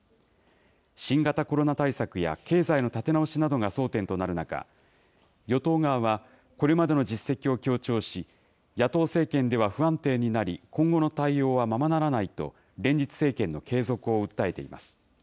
新型コロナ対策や経済の立て直しなどが争点となる中、与党側は、これまでの実績を強調し、野党政権では不安定になり、今後の対応はままならないと、連立政権の継続を訴えています。